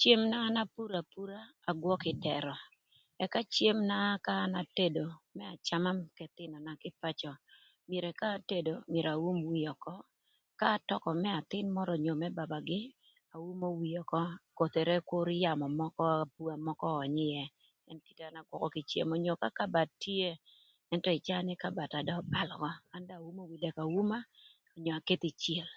Cem na an apuro apura agwökö ï dërö ëka cemna na ka atedo më acama k'ëthïnöna kï pacö myero k'atedo myero aum wie ökö k'atökö më athïn mörö onyo më babagï aumo wie ökö kothere kur yamö ööny ngöm ïë kite na an agwökö kï cemna ködë onyo ka kabad tye ëntö caa ni kabadna do öbal ökö an dong aumo jamina auma onyo aketho ï cel.